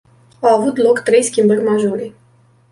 Au avut loc trei schimbări majore.